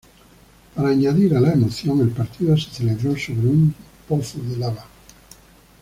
Para añadir a la emoción, el partido se celebró sobre un pozo de lava.